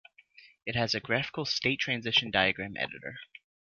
It has a graphical state-transition diagram editor.